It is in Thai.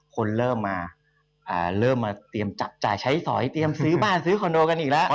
คนเริ่มมาเดิมมากับจ่ายใช้สอยเดิมซื้อบ้านซื้อคอนโดกันอีกแล้ว